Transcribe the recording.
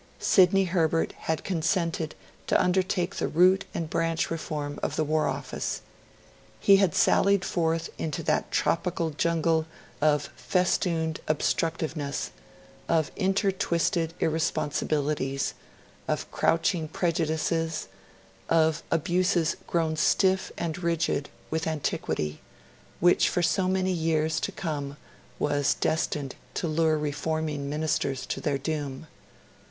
Sidney Herbert had consented to undertake the root and branch reform of the War Office. He had sallied forth into that tropical jungle of festooned obstructiveness, of intertwisted irresponsibilities, of crouching prejudices, of abuses grown stiff and rigid with antiquity, which for so many years to come was destined to lure reforming Ministers to their doom.